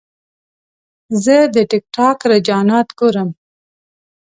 زه د ټک ټاک رجحانات ګورم.